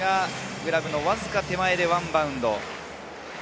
グラブのわずか手前でワンバウンド。